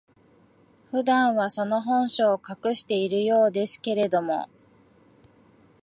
普段は、その本性を隠しているようですけれども、